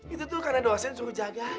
itu tuh karena dosen suruh jagain